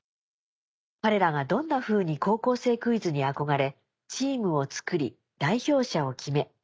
彼らがどんなふうに『高校生クイズ』に憧れチームを作り代表者を決め